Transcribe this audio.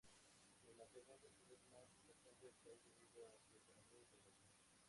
Es la segunda ciudad más importante del país debido a su economía y población.